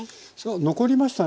残りましたね